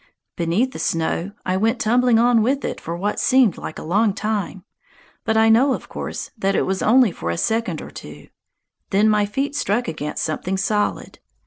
Beneath the snow, I went tumbling on with it for what seemed like a long time, but I know, of course, that it was for only a second or two; then my feet struck against something solid.